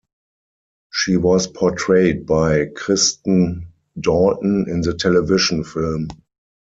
She was portrayed by Kristen Dalton in the television film.